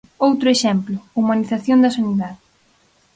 Outro exemplo, humanización da sanidade.